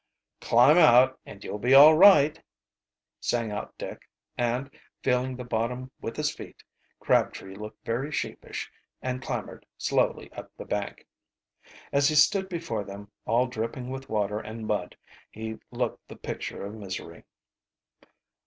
"Climb out and you'll be all right," sang out Dick, and feeling the bottom with his feet, Crabtree looked very sheepish and clambered slowly up the bank. As he stood before them, all dripping with water and mud, he looked the picture of misery.